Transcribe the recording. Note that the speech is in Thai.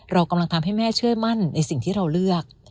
เรากำลังทำให้แม่เชื่อมั่นในสิ่งที่เราเลือก